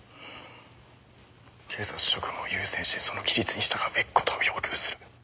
警察職務に優先してその規律に従うべきことを要求する。